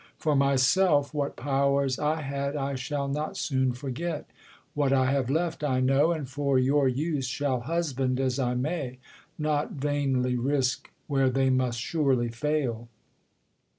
For myself, What powers I had I shall not soon forget ; What I have left I knovr, and for your use Shall husband as I may, not vainly risk Where they must surely fail.